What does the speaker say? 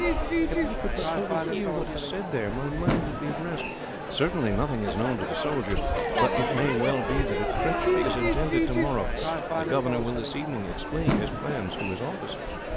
"If I could but overhear what is said there, my mind would be at rest. Certainly nothing is known to the soldiers; but it may well be that if treachery is intended tomorrow, the governor will this evening explain his plans to his officers."